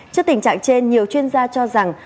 trước tình trạng trên nhiều chuyên gia cho rằng